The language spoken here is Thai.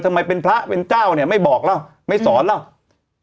ทำไมเป็นพระเป็นเจ้าเนี่ยไม่บอกแล้วไม่สอนแล้ว